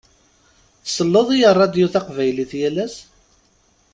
Tselleḍ i ṛṛadio taqbaylit yal ass?